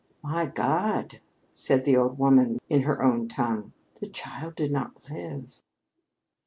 "My God," said the old woman in her own tongue, "the child did not live!"